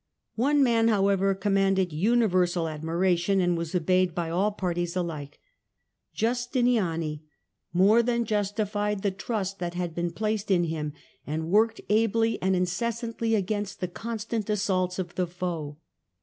One man, however, commanded universal admiration and was obeyed by all parties alike. Justiniani more than justified the trust THE GREEK EMPIRE AND OTTOMAN TURKS 269 that had been placed in him, and worked ably and incessantly against the constant assaults of the foe.